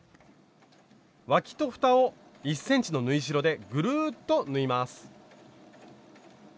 わきとふたを１ｃｍの縫い代でぐるっと縫います。